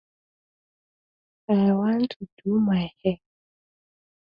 Posthumus lost a close race to the state's Attorney General, Democrat Jennifer Granholm.